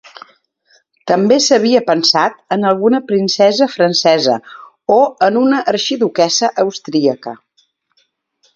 També s'havia pensat en alguna princesa francesa o en una arxiduquessa austríaca.